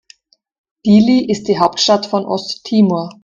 Dili ist die Hauptstadt von Osttimor.